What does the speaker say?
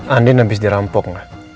andin habis dirampok gak